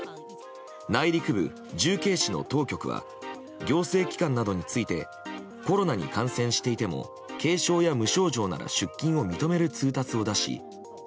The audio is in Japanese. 内陸部・重慶市の当局は行政機関などについてコロナに感染していても軽症や無症状なら出勤を認める通達を出し。